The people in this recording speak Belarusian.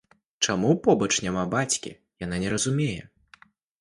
Чаму побач няма бацькі, яна не разумее.